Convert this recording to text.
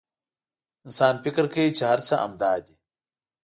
انسان فکر کوي چې هر څه همدا دي.